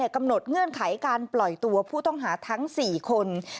เงื่อนไขการปล่อยตัวผู้ต้องหาทั้ง๔คน